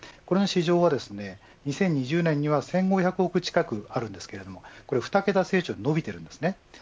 この市場は２０２０年には１５００億近くあるんですけれどこれ２桁成長に伸びているんです。